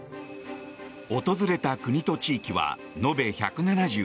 訪れた国と地域は延べ１７６。